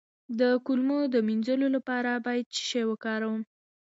د کولمو د مینځلو لپاره باید څه شی وکاروم؟